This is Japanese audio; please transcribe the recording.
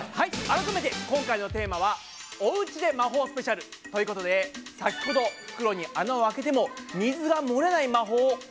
改めて今回のテーマは「おうちで魔法スペシャル」ということで先ほど袋に穴を開けても水がもれない魔法をお見せしました。